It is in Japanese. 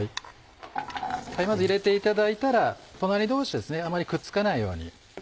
まず入れていただいたら隣同士あまりくっつかないように。